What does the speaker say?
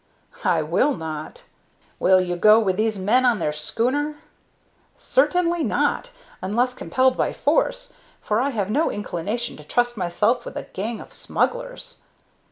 "I will not." "Will you go with these men on their schooner?" "Certainly not, unless compelled by force, for I have no inclination to trust myself with a gang of smugglers."